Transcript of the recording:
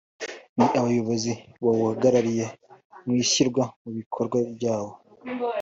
ni Abayobozi bawuhagarikiye mu ishyirwa mu bikorwa ryawo